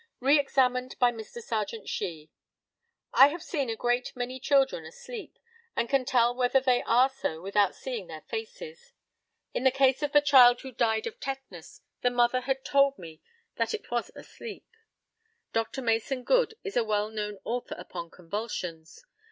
Re examined by Mr. Serjeant SHEE: I have seen a great many children asleep, and can tell whether they are so without seeing their faces. In the case of the child who died of tetanus the mother had told me that it was asleep. Dr. Mason Good is a well known author upon convulsions.